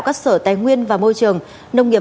các sở tài nguyên và môi trường nông nghiệp